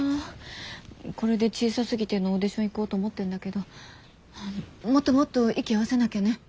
これで小さすぎてのオーディション行こうと思ってんだけどもっともっと息を合わせなきゃね。